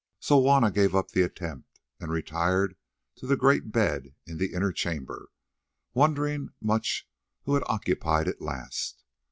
Soon Juanna gave up the attempt and retired to the great bed in the inner chamber, wondering much who had occupied it last.